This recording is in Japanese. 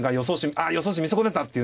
あ予想手見損ねたっていうね。